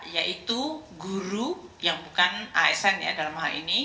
yaitu guru yang bukan asn ya dalam hal ini